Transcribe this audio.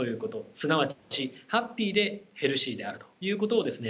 すなわちハッピーでヘルシーであるということをですね